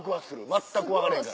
全く分かれへんから。